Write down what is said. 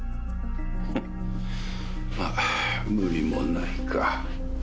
フンッまあ無理もないか。